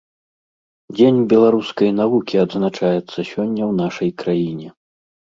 Дзень беларускай навукі адзначаецца сёння ў нашай краіне.